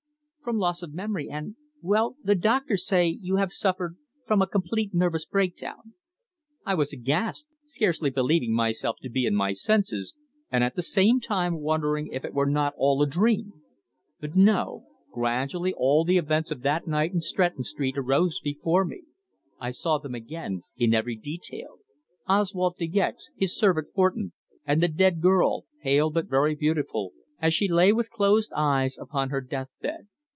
"From loss of memory, and well, the doctors say you have suffered from a complete nervous breakdown." I was aghast, scarce believing myself to be in my senses, and at the same time wondering if it were not all a dream. But no! Gradually all the events of that night in Stretton Street arose before me. I saw them again in every detail Oswald De Gex, his servant, Horton, and the dead girl, pale but very beautiful, as she lay with closed eyes upon her death bed.